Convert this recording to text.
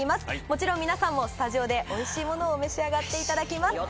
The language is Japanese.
もちろん皆さんもスタジオでおいしいものを召し上がっていただきます。